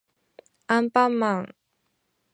アンパンマン